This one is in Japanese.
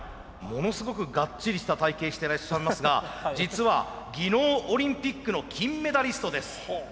ものすごくがっちりした体形していらっしゃいますが実は技能オリンピックの金メダリストです。